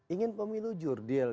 ingin pemilu jurdil